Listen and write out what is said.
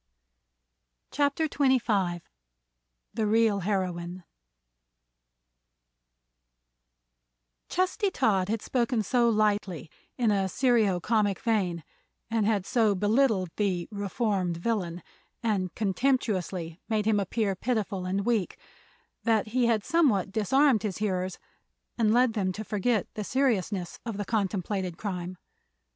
CHAPTER XXV THE REAL HEROINE Chesty Todd had spoken so lightly, in a serio comic vein, and had so belittled the "reformed villain" and contemptuously made him appear pitiful and weak, that he had somewhat disarmed his hearers and led them to forget the seriousness of the contemplated crime.